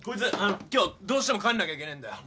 今日どうしても帰んなきゃいけねえんだよ。